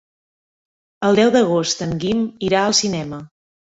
El deu d'agost en Guim irà al cinema.